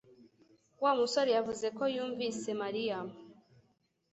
Wa musore yavuze ko yumvise Mariya